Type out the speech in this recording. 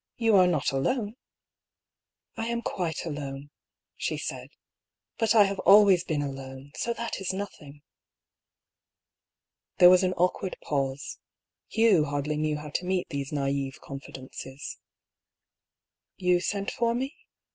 You are not alone ?"" I am quite alone," she said. " But I have always been alone, so that is nothing." There was an awkward pause. Hugh hardly knew how to meet these naive confidences. " You sent for me